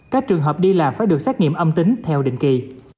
các trường hợp đi lại phải được xét nghiệm âm tính theo định kỳ